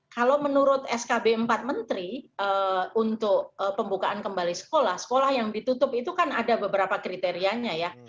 kalau menurut skb empat menteri untuk pembukaan kembali sekolah sekolah yang ditutup itu kan ada beberapa kriterianya ya